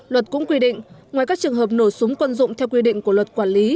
luật cũng quy định ngoài các trường hợp nổ súng quân dụng theo quy định của luật quản lý